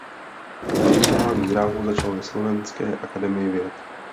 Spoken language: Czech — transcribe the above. Profesionální dráhu začal ve Slovenské akademii věd.